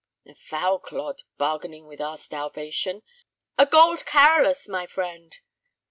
"The foul clod, bargaining with our starvation! A gold carolus, my friend."